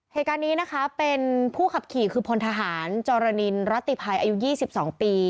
เหตุการณ์นี้นะคะเป็นผู้ขับขี่คือพลทหารจรินรัติภัยอายุ๒๒ปี